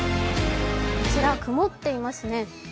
こちら曇っていますね。